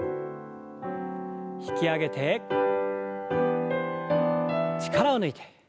引き上げて力を抜いて。